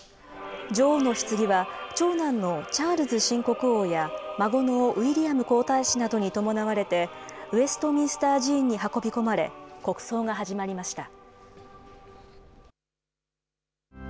女王のひつぎは長男のチャールズ新国王や孫のウィリアム皇太子などにともなわれてウェストミンスター寺院に運び込まれ国葬が始まりました。